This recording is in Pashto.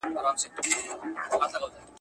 په تته رڼا کي د کتاب لوستل سترګو ته زیان رسوي.